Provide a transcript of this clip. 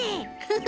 フフ。